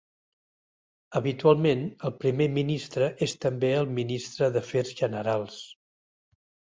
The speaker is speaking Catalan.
Habitualment, el primer ministre és també el Ministre d'Afers Generals.